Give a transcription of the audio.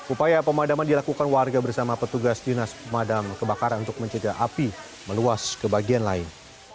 upaya pemadaman dilakukan warga bersama petugas dinas pemadam kebakaran untuk mencegah api meluas ke bagian lain